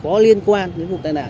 có liên quan đến một tai nạn